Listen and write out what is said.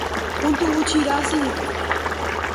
Puntu gutxi irabazi dituzte.